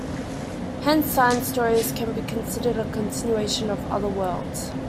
Hence "Science Stories" can be considered a continuation of "Other Worlds".